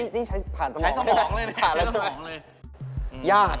นี่ได้ผ่านสมองเลย